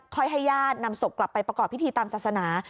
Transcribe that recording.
ให้ญาตินำศพกลับไปประกอบพิธีตามศาสนา